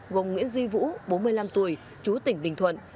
gồm nguyễn duy vũ bốn mươi năm tuổi chú tỉnh bình thuận